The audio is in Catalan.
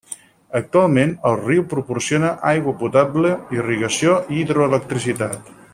Actualment el riu proporciona aigua potable, irrigació i hidroelectricitat.